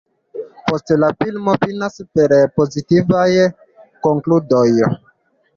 Poste la filmo finas per pozitivaj konkludoj.